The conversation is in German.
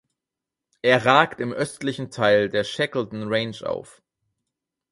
Er ragt im östlichen Teil der Shackleton Range auf.